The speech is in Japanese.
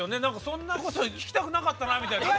そんなこと聞きたくなかったなみたいな。